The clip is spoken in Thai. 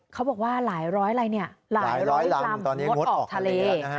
เขาบอกว่าหลายร้อยอะไรเนี่ยหลายร้อยลำงดออกทะเล